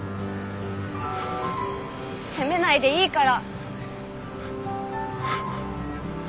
責めないでいいから。